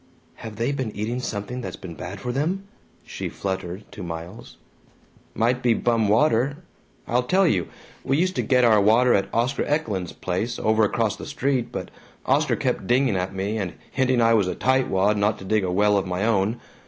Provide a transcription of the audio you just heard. "Have they been eating something that's been bad for them?" she fluttered to Miles. "Might be bum water. I'll tell you: We used to get our water at Oscar Eklund's place, over across the street, but Oscar kept dinging at me, and hinting I was a tightwad not to dig a well of my own.